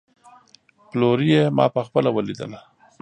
پلوري يې، ما په خپله وليدل